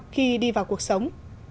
khi đi vào cuộc sống